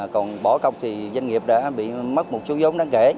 còn bỏ cọc thì doanh nghiệp đã bị mất một số giống đáng kể